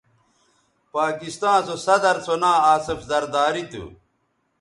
پاکستاں سو صدرسو ناں آصف زرداری تھو